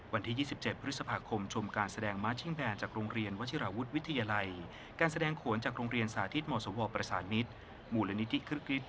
วันที่ยี่สิบเจ็ดพฤษภาคมชมการแสดงมาตทิ้งแบรนด์จากโรงเรียนวจิระวุฒิวิทยาลัยการแสดงขนจากโรงเรียนสาธิตมสวประสานิทหมูลณิติคลิกฤทธิ์